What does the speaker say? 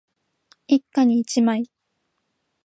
一家に一枚